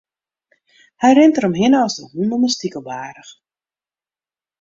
Hy rint deromhinne as de hûn om in stikelbaarch.